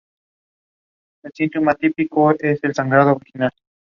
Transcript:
Los animales más grandes en el zoológico de hoy son tortugas gigantes de Aldabra.